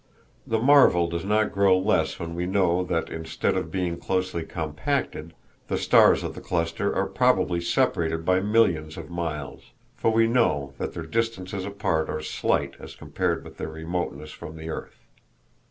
The marvel does not grow less when we know that, instead of being closely compacted, the stars of the cluster are probably separated by millions of miles; for we know that their distances apart are slight as compared with their remoteness from the Earth.